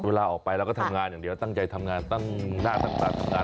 เวลาออกไปเราก็ทำงานอย่างเดียวตั้งใจทำงานตั้งหน้าตั้งตาทำงาน